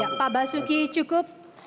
ya pak basuki cukup